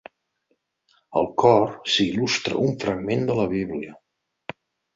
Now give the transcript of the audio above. Al cor s'hi il·lustra un fragment de la Bíblia.